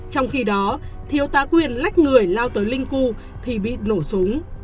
trong khi đó thiếu tá quyền lách người lao tới linh cu thì bị nổ súng